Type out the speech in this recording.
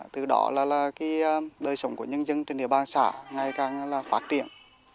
từ đó là cái đời sống của nhân dân trên địa bàn xã ngày càng là phát triển